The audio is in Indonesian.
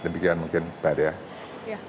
demikian mungkin pada ya